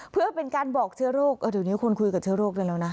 เพื่อเป็นการบอกเชื้อโรคเดี๋ยวนี้คุณคุยกับเชื้อโรคได้แล้วนะ